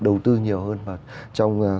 đầu tư nhiều hơn và trong